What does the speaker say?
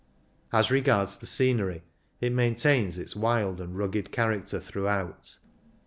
As r^ards the scenery, it main tains its wild and rugged character through out.